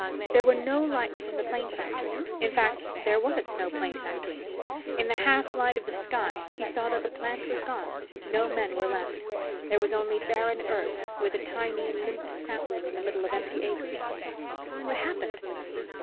There were no lights from the plane factory. In fact, there was no plane factory. In the half light of the sky, he saw that the plant was gone. No men were left. There was only barren earth, with a tiny, limp sapling in the middle of empty acres. "What happened?"